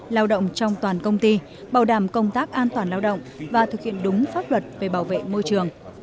lao động trong toàn công ty bảo đảm công tác an toàn lao động và thực hiện đúng pháp luật về bảo vệ môi trường